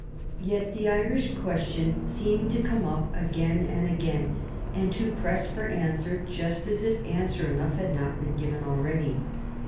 Yet the Irish question seemed to come up again and again, and to press for answer just as if answer enough had not been given already.